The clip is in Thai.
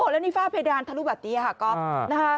แล้วนี่ฝ้าเพดานธรุบัตรีค่ะก็ค่ะ